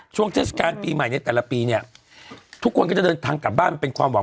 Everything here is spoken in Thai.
ช่วงเทศกาลปีใหม่ในแต่ละปีเนี่ยทุกคนก็จะเดินทางกลับบ้านเป็นความหวัง